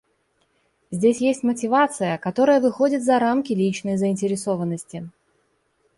Здесь есть мотивация, которая выходит за рамки личной заинтересованности.